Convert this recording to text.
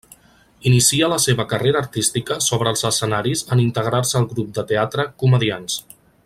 Inicia la seva carrera artística sobre els escenaris en integrar-se al grup de teatre Comediants.